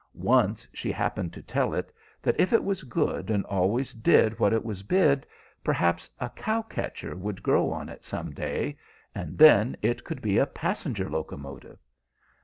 Once she happened to tell it that if it was good and always did what it was bid, perhaps a cow catcher would grow on it some day, and then it could be a passenger locomotive.